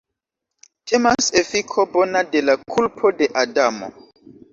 Temas efiko bona de la kulpo de Adamo.